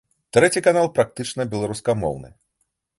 Трэці канал практычна беларускамоўны.